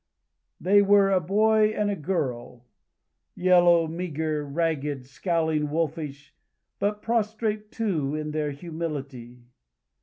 They were a boy and girl. Yellow, meagre, ragged, scowling, wolfish; but prostrate, too, in their humility.